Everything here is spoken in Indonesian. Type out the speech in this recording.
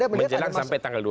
menjelang sampai tanggal dua